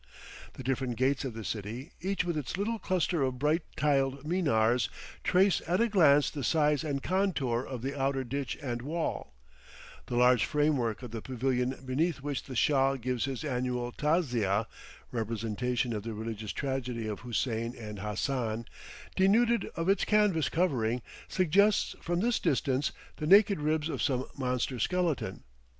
The different gates of the city, each with its little cluster of bright tiled minars, trace at a glance the size and contour of the outer ditch and wall; the large framework of the pavilion beneath which the Shah gives his annual tazzia (representation of the religious tragedy of Hussein and Hassan), denuded of its canvas covering, suggests from this distance the naked ribs of some monster skeleton.